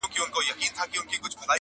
ځوانيمرگي اوړه څنگه اخښل كېږي!.